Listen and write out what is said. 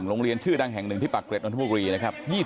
โรงเรียนชื่อดังแห่ง๑ที่ปักเรชน์อวันทุกวงรีนะครับ